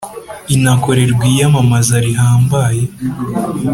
inakorerwa iyamamaza rihambaye